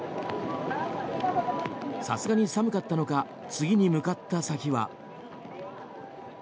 さすがに寒かったのか次に向かった先は。